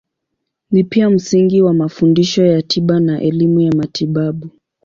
Ni pia msingi wa mafundisho ya tiba na elimu ya matibabu.